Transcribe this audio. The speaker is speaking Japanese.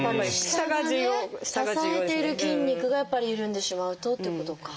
支えている筋肉がやっぱり緩んでしまうとってことか。